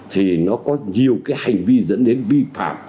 thì nó có nhiều cái hành vi dẫn đến vi phạm